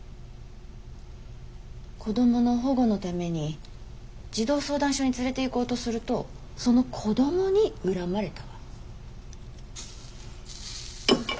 子供の保護のために児童相談所に連れていこうとするとその子供に恨まれたわ。